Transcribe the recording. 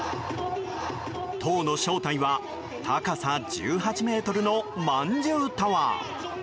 塔の正体は高さ１８ｍのまんじゅうタワー。